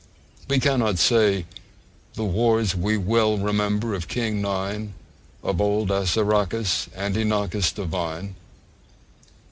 We cannot say, The wars we well remember of King Nine, Of old Assaracus and Inachus divine.